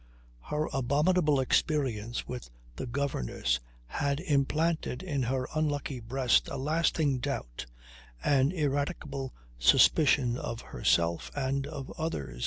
Her abominable experience with the governess had implanted in her unlucky breast a lasting doubt, an ineradicable suspicion of herself and of others.